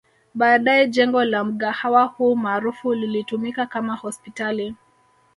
Baadae jengo la mgahawa huu maarufu lilitumika kama hospitali